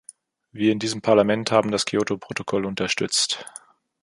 Wir in diesem Parlament haben das Kyoto-Protokoll unterstützt.